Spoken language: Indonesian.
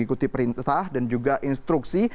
ikuti perintah dan juga instruksi